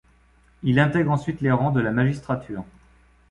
Il intègre ensuite les rangs de la magistrature.